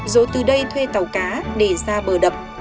rồi từ đây thuê tàu cá để ra bờ đập